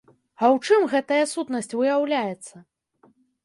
А ў чым гэтая сутнасць выяўляецца?